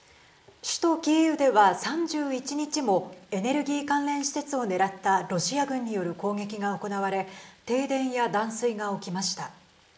首都キーウでは３１日もエネルギー関連施設を狙ったロシア軍による攻撃が行われ停電や断水が起きました。